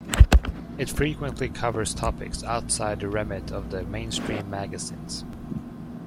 It frequently covers topics outside the remit of the mainstream magazines.